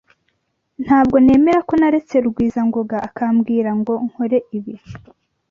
Ntabwo nemera ko naretse Rugwizangoga akambwira ngo nkore ibi.